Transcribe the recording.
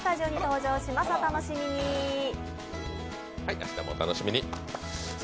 明日もお楽しみに。